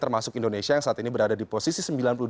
termasuk indonesia yang saat ini berada di posisi sembilan puluh dua